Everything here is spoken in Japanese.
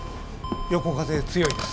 横風強いです。